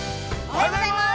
◆おはようございます。